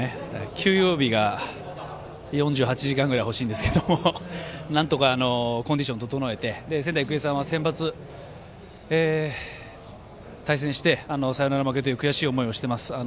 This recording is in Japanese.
休養日が４８時間ぐらいほしいんですけどなんとかコンディション整えて仙台育英さんはセンバツ対戦してサヨナラ負けという悔しい思いをしています。